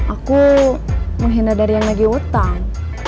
aku menghindar dari yang lagi utang